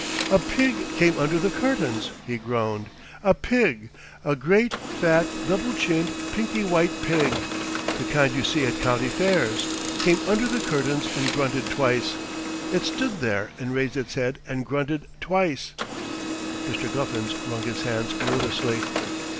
"A pig came under the curtains," he groaned. "A pig a great, fat, double chinned, pinky white pig, the kind you see at county fairs came under the curtains and grunted twice. It stood there and raised its head and grunted twice." Mr. Guffins wrung his hands nervously.